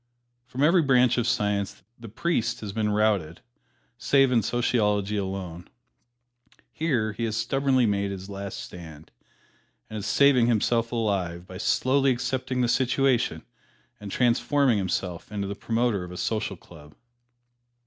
From every branch of Science the priest has been routed, save in Sociology alone. Here he has stubbornly made his last stand, and is saving himself alive by slowly accepting the situation and transforming himself into the Promoter of a Social Club.